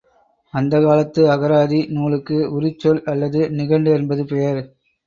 அந்தக் காலத்து அகராதி நூலுக்கு உரிச்சொல் அல்லது நிகண்டு என்பது பெயர்.